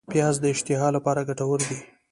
پیاز د اشتها لپاره ګټور دی